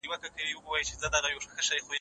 سوداګر ته پیر ویله